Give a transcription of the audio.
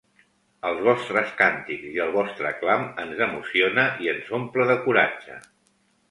Els vostres càntics i el vostre clam ens emociona i ens omple de coratge.